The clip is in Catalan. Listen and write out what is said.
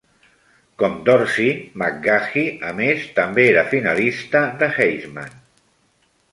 Com Dorsey, McGahee a més també era finalista de Heisman.